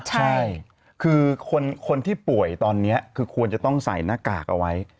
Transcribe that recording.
ใช่คือคนที่ป่วยตอนนี้คือควรจะต้องใส่หน้ากากเอาไว้